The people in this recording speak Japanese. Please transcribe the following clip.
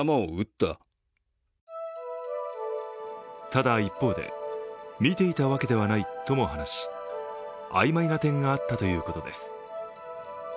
ただ一方で、見ていたわけではないとも話しあいまいな点があったということです。